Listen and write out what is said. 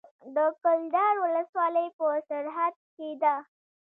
د کلدار ولسوالۍ په سرحد کې ده